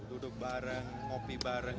duduk bareng ngopi bareng